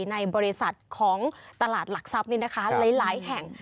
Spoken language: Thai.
ในบริษัทของตลาดหลักทรัพย์หลายแห่ง